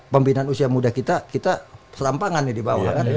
pembinaan usia muda kita kita serampangan nih di bawah kan